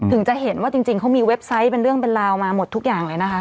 จะเห็นว่าจริงเขามีเว็บไซต์เป็นเรื่องเป็นราวมาหมดทุกอย่างเลยนะคะ